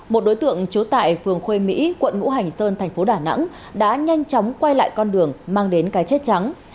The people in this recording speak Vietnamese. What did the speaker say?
một đối tượng trú tại phường khuê mỹ quận ngũ hành sơn thành phố đà nẵng đã nhanh chóng quay lại con đường mang đến cái chết trắng